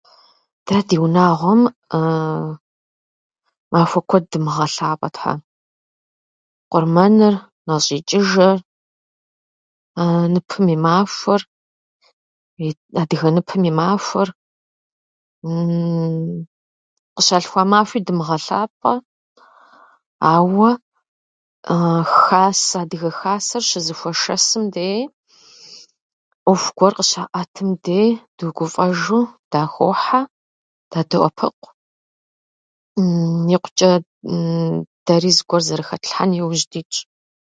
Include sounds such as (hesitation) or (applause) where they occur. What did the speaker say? Дэ ди унагъуэм (hesitation) махуэ куэд дымыгъэлъапӏэ, Тхьэ: къурмэныр, нэщӏ ичӏыжыр, ныпым и махуэр, итӏ- адыгэ ныпым и махуэр, (hesitation) къыщалъхуа махуи дымыгъэлъапӏэ, ауэ (hesitation) хасэ- адыгэ хасэ щызыхуэшэсым дей, ӏуэху гуэр къыщаӏэтым дей, дыгуфӏэжу дахохьэ, дадоӏэпыкъу. (hesitation) Икъучӏэ (hesitation) дэри зыгуэр зэрыхэтлъхьэн иужь дитщ.